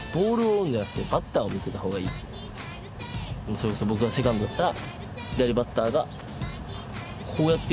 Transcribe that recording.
それこそ僕がセカンドだったら。